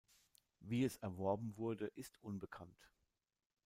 Wie es erworben wurde, ist unbekannt.